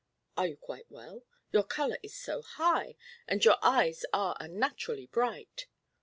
"Are you quite well? Your colour is so high, and your eyes are unnaturally bright."